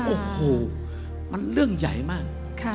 โอ้โหมันเรื่องใหญ่มาก